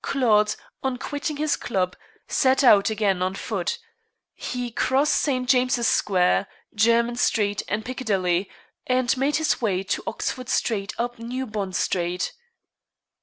Claude, on quitting his club, set out again on foot. He crossed St. James's Square, Jermyn Street, and Piccadilly, and made his way to Oxford Street up New Bond Street.